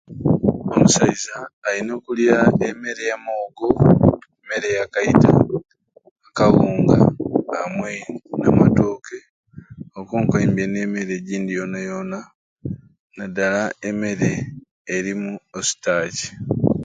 Omusaiza ayina okulya emeere yamwoogo, emeere ya kaita, akawunga amwei namatooke okwo nikwo oimbye emere ejinji yona yona nadala emere erimu ostachi.